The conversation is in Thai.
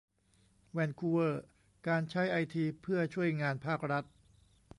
แวนคูเวอร์ : การใช้ไอทีเพื่อช่วยงานภาครัฐ